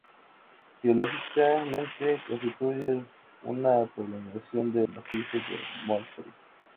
Geológicamente constituyen una prolongación del macizo de Montgrí.